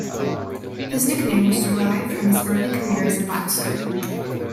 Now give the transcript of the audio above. His nickname was derived from his early career as a boxer.